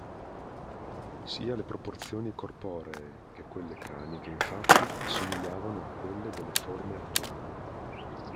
Sia le proporzioni corporee che quelle craniche, infatti, assomigliavano a quelle delle forme attuali.